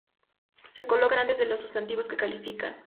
Se colocan antes de los sustantivos que califican.